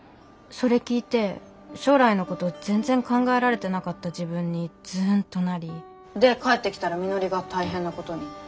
それ聞いて将来のこと全然考られてなかった自分にズンとなりで帰ってきたらみのりが大変なことに。